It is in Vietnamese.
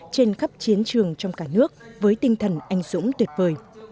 trên khắp chiến trường trong cả nước với tinh thần anh dũng tuyệt vời